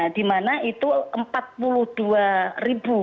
di mana itu rp empat puluh dua